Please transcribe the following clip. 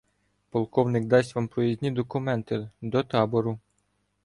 Полковник дасть вам проїзні документи до табору.